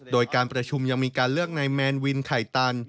โดยการประชุมยังมีการเลือกนายแมนวินไข่ตัน